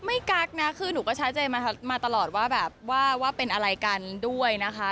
ไม่กักนะคือหนูก็ชัดเจนมาตลอดว่าเป็นอะไรกันด้วยนะคะ